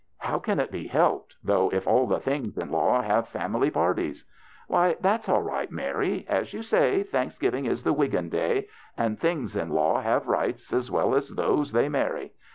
How can it be helped, though, if all the things in law have family parties ?"" Why, that's all right, Mary. As you say, Thanksgiving is the Wiggin day, and things in law have rights, as well as those they marry.